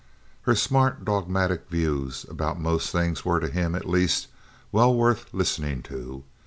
Her smart, dogmatic views about most things were, to him, at least, well worth listening to.